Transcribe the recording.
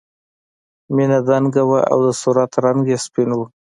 مینه دنګه وه او د صورت رنګ یې سپین و